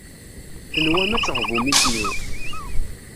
Tenwam ad teɣbum isem-iw.